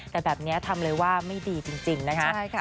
แต่แบบนี้ทำเลยว่าไม่ดีจริงนะคะ